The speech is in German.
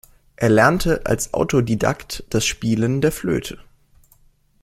Er lernte als Autodidakt das Spielen der Flöte.